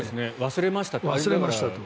忘れましたと。